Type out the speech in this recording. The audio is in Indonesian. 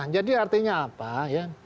jadi artinya apa ya